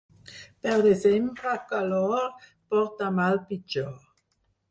Pel desembre calor, porta mal pitjor.